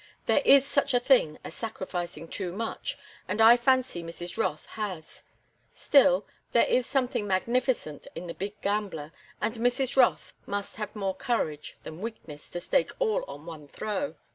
There is such a thing as sacrificing too much, and I fancy Mrs. Rothe has. Still, there is something magnificent in the big gambler, and Mrs. Rothe must have more courage than weakness to stake all on one throw."